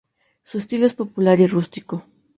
Su estilo es popular y rústico.